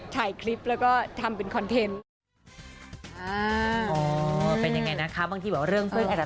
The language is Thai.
ถ่ายคลิปแล้วก็ทำเป็นคอนเทนต์